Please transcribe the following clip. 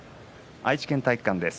愛知県体育館です。